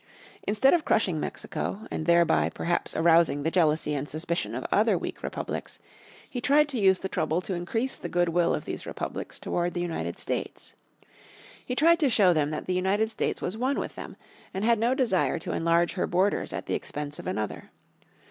Instead of crushing Mexico, and thereby perhaps arousing the jealousy and suspicion of other weak republics, he tried to use the trouble to increase the good will of these republics toward the United States. He tried to show them that the United States was one with them, and had no desire to enlarge her borders at the expense of another.